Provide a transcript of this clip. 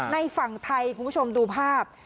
ในฝั่งไทยคุณผู้ชมดูภาพ